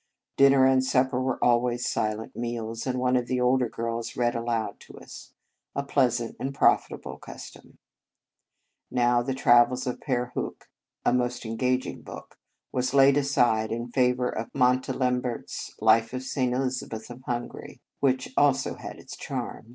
Dinner and sup per were always silent meals, and one of the older girls read aloud to us, a pleasant and profitable cus tom. Now the travels of Pere Hue a most engaging book was laid aside in favour of Montalembert s " Life of St. Elizabeth of Hungary," which also had its charm.